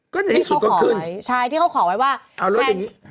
ก็จะให้สุดก็ขึ้นเอารถอย่างนี้